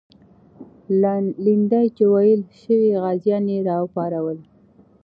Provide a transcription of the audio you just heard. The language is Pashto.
لنډۍ چې ویلې سوې، غازیان یې راوپارول.